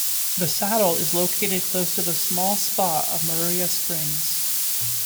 The saddle is located close to the small spa of Maruia Springs.